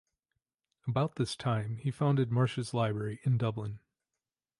About this time he founded Marsh's Library in Dublin.